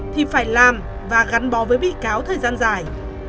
thì phải làm và gắn bó với bị cáo thời gian dài